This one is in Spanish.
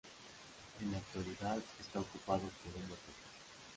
En la actualidad está ocupado por un hotel.